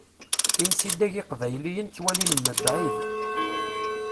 Imsidag iqbayliyen ttwalin mebɛid.